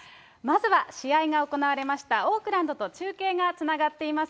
まずは試合が行われましたオークランドと中継がつながっています。